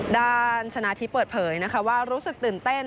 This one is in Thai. ด้านชนะทิพย์เปิดเผยนะคะว่ารู้สึกตื่นเต้น